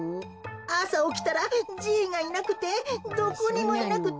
あさおきたらじいがいなくてどこにもいなくて。